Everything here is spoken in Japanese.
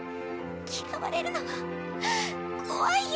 嫌われるのは怖いよ。